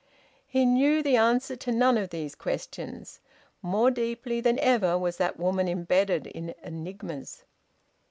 He knew the answer to none of these questions. More deeply than ever was that woman embedded in enigmas.